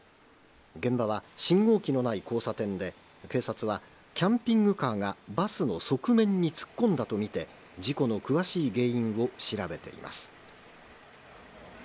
現場は信号機のない交差点で、警察はキャンピングカーがバスの側面に突っ込んだと見て、事故の詳しい原因を調べています。